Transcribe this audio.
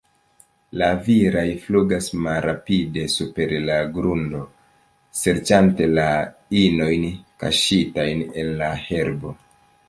La viraj flugas malrapide super la grundo, serĉante la inojn kaŝitajn en la herbo.